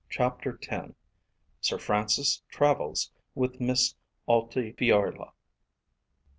CHAPTER X. SIR FRANCIS TRAVELS WITH MISS ALTIFIORLA.